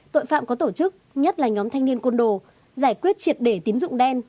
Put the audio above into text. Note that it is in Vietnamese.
tội phạm có tổ chức nhất là nhóm thanh niên côn đồ giải quyết triệt để tín dụng đen